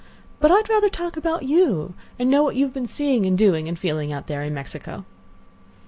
But I'd rather talk about you, and know what you have been seeing and doing and feeling out there in Mexico."